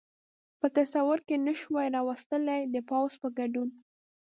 په تصور کې نه شوای را وستلای، د پوځ په ګډون.